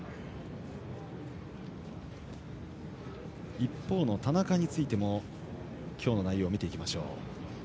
一方の田中についても今日の内容を見ていきましょう。